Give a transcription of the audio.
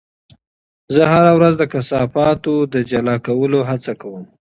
زه هره ورځ د کثافاتو د جلا کولو هڅه کوم.